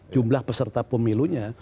jumlah peserta pemilunya